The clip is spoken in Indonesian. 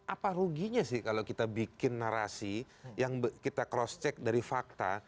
apa ruginya sih kalau kita bikin narasi yang kita cross check dari fakta